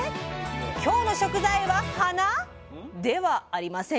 今日の食材は花⁉ではありませんよ！